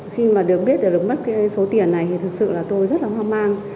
khi mà được biết để được mất cái số tiền này thì thực sự là tôi rất là hoang mang